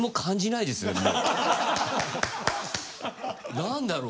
何だろう？